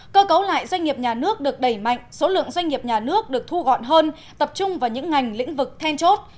cơ cấu lại doanh nghiệp nhà nước được đẩy mạnh số lượng doanh nghiệp nhà nước được thu gọn hơn tập trung vào những ngành lĩnh vực then chốt